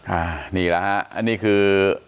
อ่านี่ละฮะอันนี้คือ